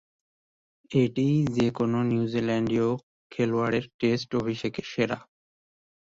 এটিই যে-কোন নিউজিল্যান্ডীয় খেলোয়াড়ের টেস্ট অভিষেকে সেরা।